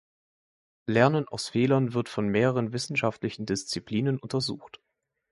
Lernen aus Fehlern wird von mehreren wissenschaftlichen Disziplinen untersucht.